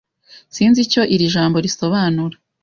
Sinzi icyo iri jambo risobanura.